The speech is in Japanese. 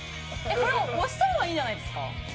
押したほうがいいんじゃないですか？